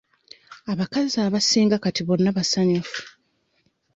Abakazi abasinga kati bonna basanyufu.